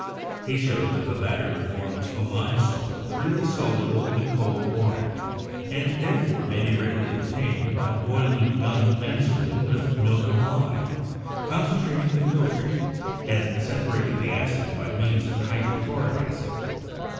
He showed that the latter forms a lime salt freely soluble in cold water, and therefore may be readily obtained by boiling gum benzoin with milk of lime, con 148 CHEMISTRY centrating the filtrate and separating the acid by means of hydrochloric acid.